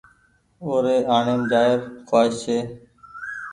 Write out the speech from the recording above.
او ري آڻيم جآئي ر کوآئس ڇي۔